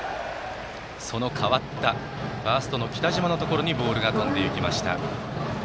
その代わったファーストの北嶋のところにボールが飛びました。